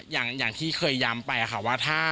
อย่างที่เคยย้ำไปค่ะว่า